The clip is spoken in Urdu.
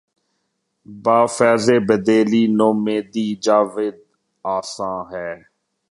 بہ فیض بیدلی نومیدیٴ جاوید آساں ہے